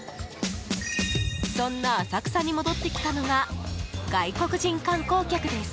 そんな浅草に戻ってきたのが外国人観光客です。